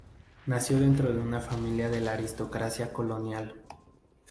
Nació dentro de una familia de la aristocracia colonial.